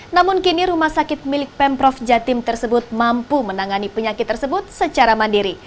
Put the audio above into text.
namun kini rumah sakit milik pemprov jatim tersebut mampu menangani penyakit tersebut secara mandiri